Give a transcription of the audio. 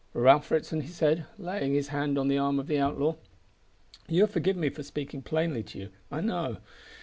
"Ralph Ritson," he said, laying his hand on the arm of the outlaw, "you'll forgive my speaking plainly to you, I know.